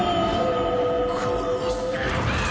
殺す！